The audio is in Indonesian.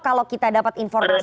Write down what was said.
kalau kita dapat informasi